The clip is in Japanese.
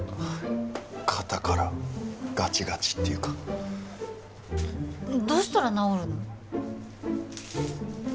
肩からガチガチっていうかどうしたら直るの？